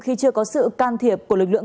khi chưa có sự can thiệp của lực lượng